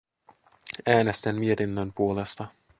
Äänestän mietinnön puolesta.